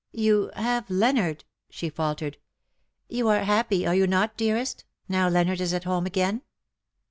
" You have Leonard," she faltered. '' You are happy, are you not, dearest, now Leonard is at home again."